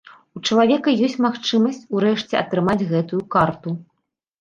У чалавека ёсць магчымасць у рэшце атрымаць гэтую карту.